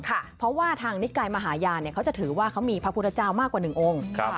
เพราะว่าทางนิกายมหาญาณเขาจะถือว่าเขามีพระพุทธเจ้ามากกว่า๑องค์